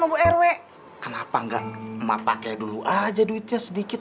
kenapa enggak emak pakai dulu aja duitnya sedikit